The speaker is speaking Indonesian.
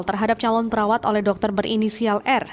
terhadap calon perawat oleh dokter berinisial r